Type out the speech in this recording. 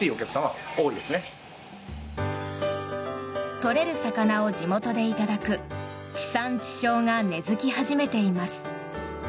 取れる魚を地元でいただく地産地消が根付き始めています。